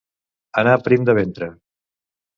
Anar prim de ventre.